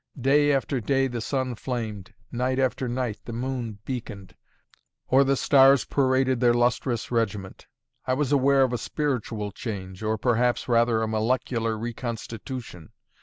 Day after day the sun flamed; night after night the moon beaconed, or the stars paraded their lustrous regiment. I was aware of a spiritual change, or, perhaps, rather a molecular reconstitution.